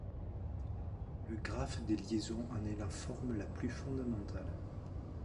Le graphe des liaisons en est la forme la plus fondamentale.